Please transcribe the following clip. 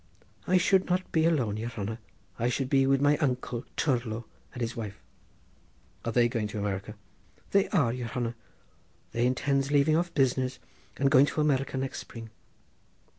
"I should not be alone, yere hanner; I should be wid my uncle Tourlough and his wife." "Are they going to America?" "They are, yere hanner; they intends leaving off business and going to America next spring."